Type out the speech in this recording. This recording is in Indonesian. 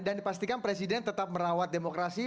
dan pastikan presiden tetap merawat demokrasi